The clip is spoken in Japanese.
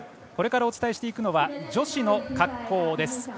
これからお伝えしていくのは女子の滑降です。